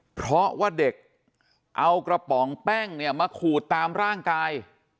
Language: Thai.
เพราะว่าเด็กเอากระป๋องแป้งเนี่ยมาขูดตามร่างกาย